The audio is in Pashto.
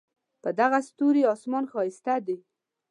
په دغه ستوري آسمان ښایسته دی